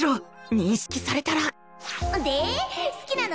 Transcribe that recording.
認識されたらで好きなの？